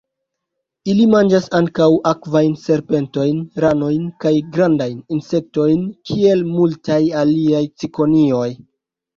Ili manĝas ankaŭ akvajn serpentojn, ranojn kaj grandajn insektojn, kiel multaj aliaj cikonioj.